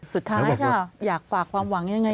สุดท้ายนะครับอยากฝากความหวังอย่างไร